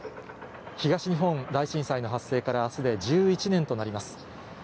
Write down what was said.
東日本大震災の発生からあすで１１年となります。